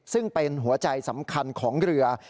ซึ่งเป็นหัวใจสำคัญของเรือ